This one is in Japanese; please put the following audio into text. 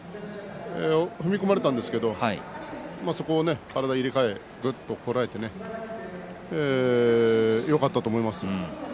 踏み込まれたんですけれどそこを体を入れ替えてぐっとこらえてよかったと思います。